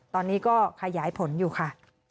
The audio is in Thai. ตอนนี้ก็ขยายผลอยู่ค่ะ